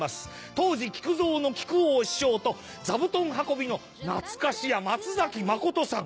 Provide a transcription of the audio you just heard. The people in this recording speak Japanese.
当時木久蔵の木久扇師匠と座布団運びの懐かしや松崎真さん。